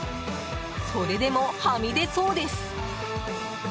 それでも、はみ出そうです。